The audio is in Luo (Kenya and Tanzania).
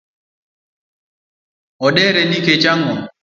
Odere nikech ang’o?